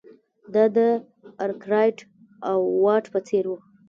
دا د ارکرایټ او واټ په څېر وو.